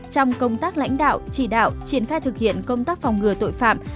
trong công tác lãnh đạo chỉ đạo triển khai thực hiện công tác phòng ngừa tội phạm